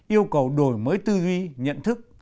yêu cầu đổi mới tư duy nhận thức